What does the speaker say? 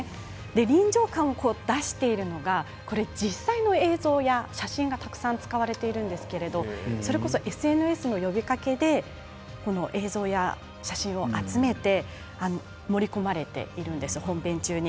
臨場感を出しているのが実際の映像や写真がたくさん使われているんですけれどそれこそＳＮＳの呼びかけでこの映像や写真を集めて盛り込まれているんです本編中に。